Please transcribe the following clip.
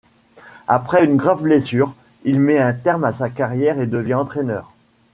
Après une grave blessure, il met un terme à sa carrière et devient entraîneur.